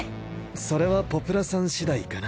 それはポプラさんしだいかな？